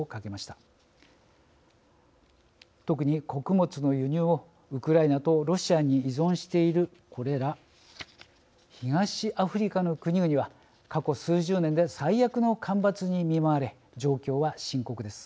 特に穀物の輸入をウクライナとロシアに依存しているこれら東アフリカの国々は過去数十年で最悪の干ばつに見舞われ状況は深刻です。